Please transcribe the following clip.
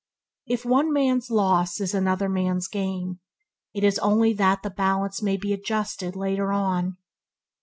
If "one man's loss is another man's gain," it is only that the balance may be adjusted later on.